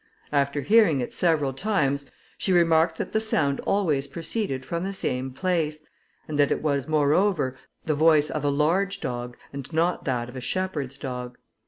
After hearing it several times, she remarked that the sound always proceeded from the same place, and that it was, moreover, the voice of a large dog, and not that of a shepherd's dog.